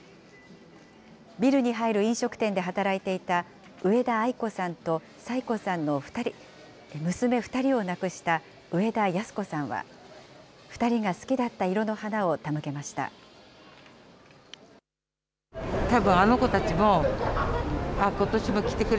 ビルに入る飲食店で働いていた植田愛子さんと彩子さんの娘２人を亡くした植田安子さんは、２人が好きだった色の花を手向けました。